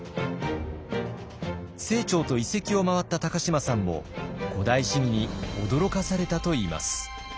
清張と遺跡を回った高島さんも「古代史疑」に驚かされたといいます。